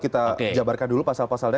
kita jabarkan dulu pasal pasalnya